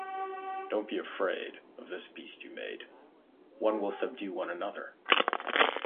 Don’t be afraid, of this beast you made, one will subdue one another.